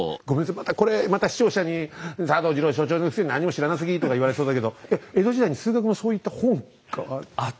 またこれまた視聴者に「佐藤二朗所長のくせに何も知らなすぎ」とか言われそうだけど江戸時代に数学のそういった本がある？